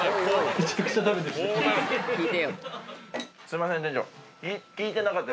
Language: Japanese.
すいません。